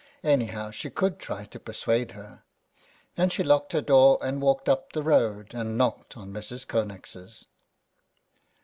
Anyhow she could try to per suade her. And she locked her door and walked up the road and knocked at Mrs. Connex's.